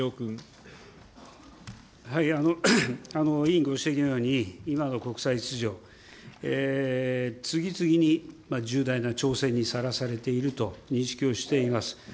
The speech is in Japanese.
委員ご指摘のように、今の国際秩序、次々に重大なにさらされていると認識をしています。